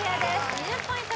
２０ポイント